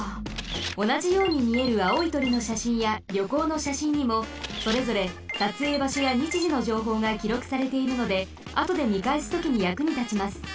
おなじようにみえるあおいとりのしゃしんやりょこうのしゃしんにもそれぞれさつえいばしょやにちじのじょうほうがきろくされているのであとでみかえすときにやくにたちます。